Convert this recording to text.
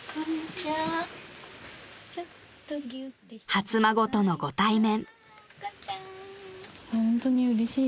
［初孫とのご対面］